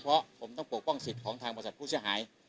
เพราะผมต้องปกป้องสิทธิ์ของทางบริษัทผู้เสียหาย